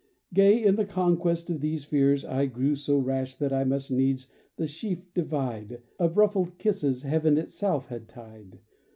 _Gay in the conquest of these fears, I grew So rash that I must needs the sheaf divide Of ruffled kisses heaven itself had tied.